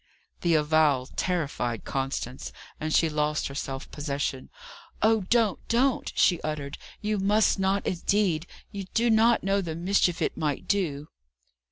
The avowal terrified Constance, and she lost her self possession. "Oh don't! don't!" she uttered. "You must not, indeed! you do not know the mischief it might do."